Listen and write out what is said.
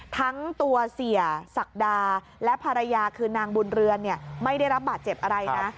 ทั้งตัวเสียศักดาและภรรยาคือนางบุญเรือนไม่ได้รับบาดเจ็บอะไรนะ